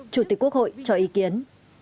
chủ tịch quốc hội cho ý kiến